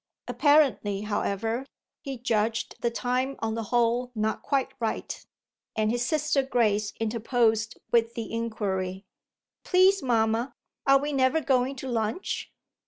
Apparently, however, he judged the time on the whole not quite right, and his sister Grace interposed with the inquiry "Please, mamma, are we never going to lunch?"